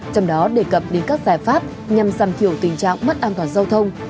trong đó đề cập đến các giải pháp nhằm giảm thiểu tình trạng mất an toàn giao thông